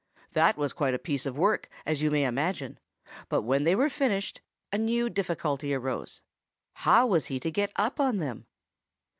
That was quite a piece of work, as you may imagine; but when they were finished, a new difficulty arose: how was he to get up on them?